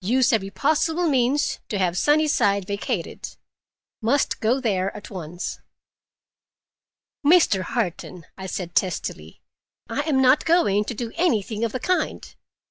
'Use every possible means to have Sunnyside vacated. Must go there at once.'" "Mr. Harton," I said testily, "I am not going to do anything of the kind.